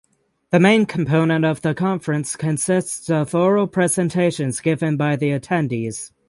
The main component of the conference consists of oral presentations given by the attendees.